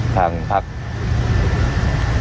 ทางภักดิ์